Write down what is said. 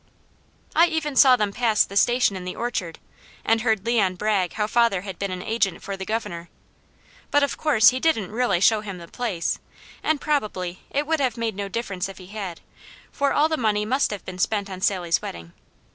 I even saw them pass the Station in the orchard, and heard Leon brag how father had been an agent for the Governor; but of course he didn't really show him the place, and probably it would have made no difference if he had, for all the money must have been spent on Sally's wedding.